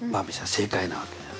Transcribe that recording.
正解なわけです。